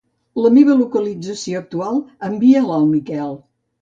La meva localització actual, envia-la al Miquel.